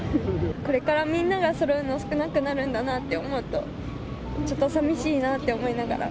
これからみんながそろうの少なくなるんだなって思うと、ちょっとさみしいなって思いながら。